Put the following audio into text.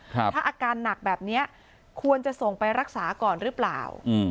ถ้าอาการหนักแบบนี้ควรจะส่งไปรักษาก่อนหรือเปล่า